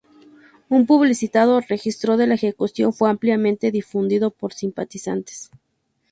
Un publicitado registro de la ejecución fue ampliamente difundido por simpatizantes.